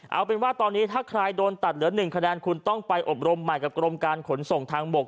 เอาเป็นว่าตอนนี้ถ้าใครโดนตัดเหลือ๑คะแนนคุณต้องไปอบรมใหม่กับกรมการขนส่งทางบก